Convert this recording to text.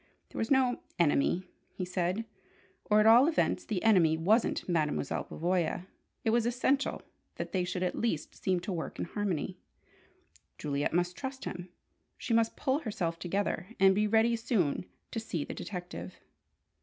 There was no "enemy," he said, or at all events the enemy wasn't Mademoiselle Pavoya. It was essential that they should at least seem to work in harmony. Juliet must trust him. She must pull herself together, and be ready soon to see the detective.